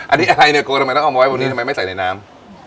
อันนี้อะไรเนี่ยโกทำไมต้องเอามาไว้วันนี้ทำไมไม่ใส่ในน้ำ